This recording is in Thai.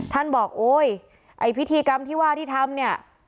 ท่านบอกพิธีกรรมที่ว่าที่ทำเนี่ย